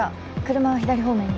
車は左方面に。